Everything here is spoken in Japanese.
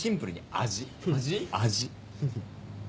味。